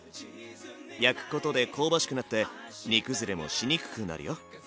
焼くことで香ばしくなって煮くずれもしにくくなるよ。